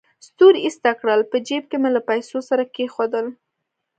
ستوري ایسته کړل، په جېب کې مې له پیسو سره کېښودل.